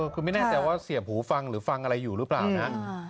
คือไม่แน่ใจว่าเสียบหูฟังหรือฟังอะไรอยู่หรือเปล่านะ